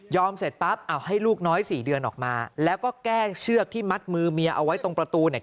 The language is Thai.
เสร็จปั๊บเอาให้ลูกน้อยสี่เดือนออกมาแล้วก็แกล้งเชือกที่มัดมือเมียเอาไว้ตรงประตูเนี่ย